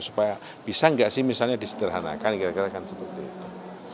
supaya bisa nggak sih misalnya disederhanakan kira kira kan seperti itu